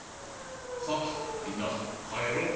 さあみんなかえろう。